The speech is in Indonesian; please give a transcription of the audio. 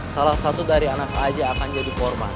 salah satu dari anak aja akan jadi korban